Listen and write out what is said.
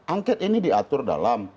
angket ini diatur dalam